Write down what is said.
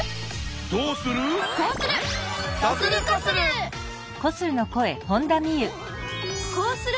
どうする？